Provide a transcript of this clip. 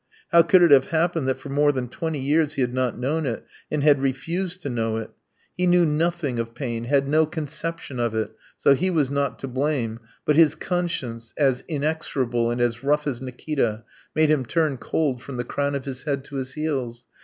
How could it have happened that for more than twenty years he had not known it and had refused to know it? He knew nothing of pain, had no conception of it, so he was not to blame, but his conscience, as inexorable and as rough as Nikita, made him turn cold from the crown of his head to his heels.